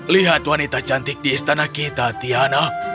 lihat wanita cantik di istana kita tiana